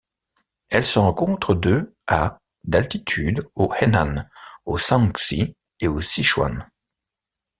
Elle se rencontre de à d'altitude au Henan, au Shaanxi et au Sichuan.